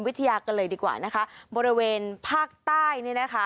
กันเลยดีกว่านะคะบริเวณภาคใต้เนี่ยนะคะ